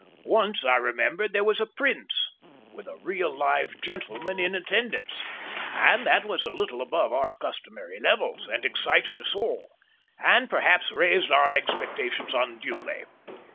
Once I remember there was a Prince, with a real live gentleman in attendance, and that was a little above our customary levels and excited us all, and perhaps raised our expectations unduly.